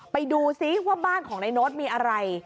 ไปดูซิว่าบ้านของนายโน๊ตมีอะไร